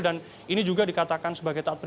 dan ini juga dikatakan sebagai taat pribadi